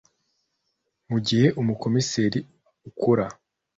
Mu gihe umukomiseri ukora